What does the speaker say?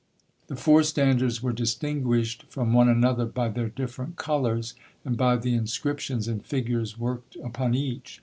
The four standards were distinguished from one another by their different colors, and by the inscriptions and figures worked upon each.